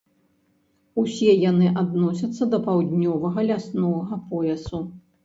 Усе яны адносяцца да паўднёвага ляснога поясу.